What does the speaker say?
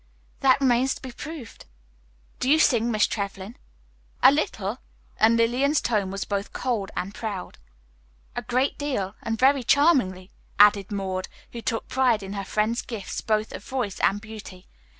"That remains to be proved. Do you sing, Miss Trevlyn?" "A little." And Lillian's tone was both cold and proud. "A great deal, and very charmingly," added Maud, who took pride in her friend's gifts both of voice and beauty.